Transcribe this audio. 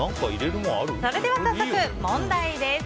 それでは早速問題です。